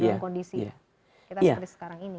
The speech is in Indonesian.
dalam kondisi kita seperti sekarang ini